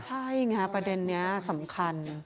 ใช่ไงประเด็นนี้สำคัญ